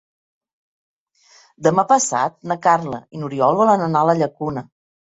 Demà passat na Carla i n'Oriol volen anar a la Llacuna.